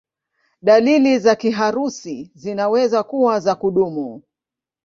Dalili za kiharusi zinaweza kuwa za kudumu.